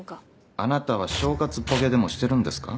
あなたは正月ボケでもしてるんですか？